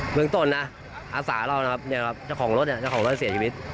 เมืองต้นนะอาสาเรานะครับเจ้าของรถเนี่ยเจ้าของรถเสียชีวิต